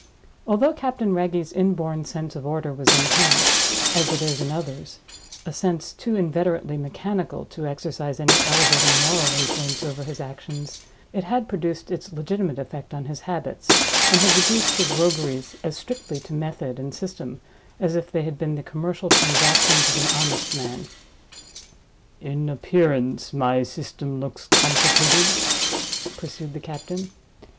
Although Captain Wragge's inborn sense of order was in him—as it is in others—a sense too inveterately mechanical to exercise any elevating moral influence over his actions, it had produced its legitimate effect on his habits, and had reduced his rogueries as strictly to method and system as if they had been the commercial transactions of an honest man. "In appearance, my system looks complicated?" pursued the captain.